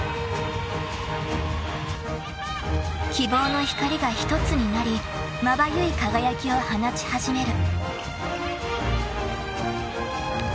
［希望の光が一つになりまばゆい輝きを放ち始める］